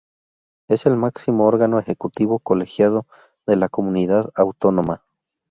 Es el máximo órgano ejecutivo colegiado de la Comunidad autónoma.